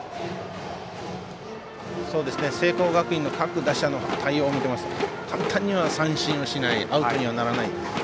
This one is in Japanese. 聖光学院の各打者の対応を見ていますとそう簡単には三振をしないアウトにはならない。